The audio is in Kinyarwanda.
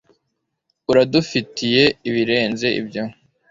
uradufitiye ibirenze ibyo